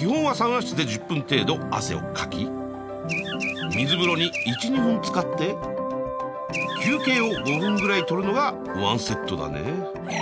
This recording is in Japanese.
基本はサウナ室で１０分程度汗をかき水風呂に１２分つかって休憩を５分ぐらいとるのが１セットだね。